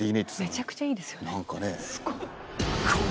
めちゃくちゃいいですすごい。